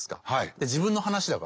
で自分の話だから。